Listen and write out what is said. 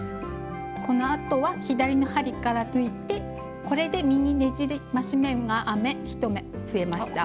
このあとは左の針から抜いてこれで「右ねじり増し目」が編め１目増えました。